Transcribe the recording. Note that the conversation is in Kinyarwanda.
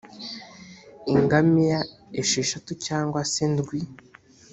ingamiya esheshatu cyangwa se ndwi